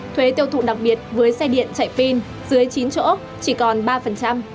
thuế tiêu thụ đặc biệt với xe điện chạy pin dưới chín chỗ chỉ còn ba